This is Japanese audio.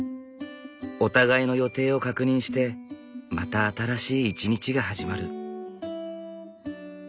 お互いの予定を確認してまた新しい一日が始まる。